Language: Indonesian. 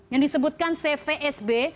yang disebutkan cvsb